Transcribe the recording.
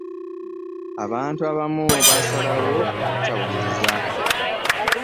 abantu abamu basalawo obutawuliriza